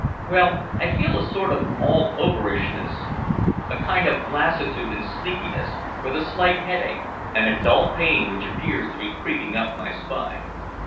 "Well, I feel a sort of all overishness, a kind of lassitude and sleepiness, with a slight headache, and a dull pain which appears to be creeping up my spine."